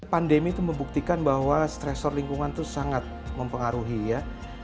pandemi itu membuktikan bahwa stresor lingkungan itu sangat mempengaruhi ya